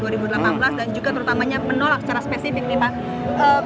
dan juga terutamanya menolak secara spesifik nih pak